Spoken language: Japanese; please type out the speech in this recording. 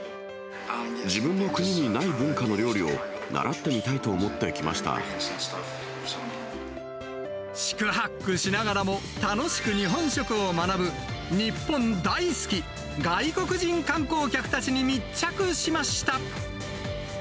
自分の国にない文化の料理を四苦八苦しながらも、楽しく日本食を学ぶ日本大好き外国人観光客たちに密着しました。